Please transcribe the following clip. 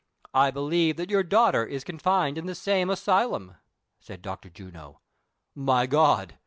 I believe that your daughter is conhned in the same asylum," said Dr. Juno. "O God